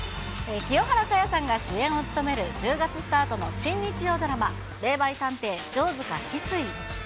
清原果耶さんが主演を務める１０月スタートの新日曜ドラマ、霊媒探偵城塚翡翠。